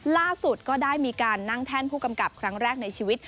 ล่าสุดก็ได้มีการนั่งแท่นผู้กำกับครั้งแรกในชีวิต